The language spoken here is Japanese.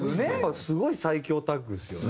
すごい最強タッグですよね。